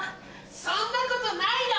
・そんなことないよ！